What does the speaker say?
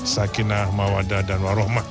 sakinah mawadah dan warohmat